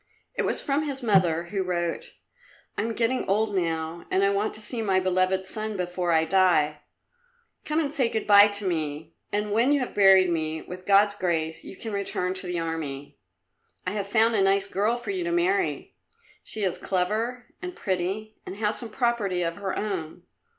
It was from his mother, who wrote, "I am getting old now, and I want to see my beloved son before I die. Come and say good bye to me, and when you have buried me, with God's grace, you can return to the Army. I have found a nice girl for you to marry; she is clever and pretty, and has some property of her own.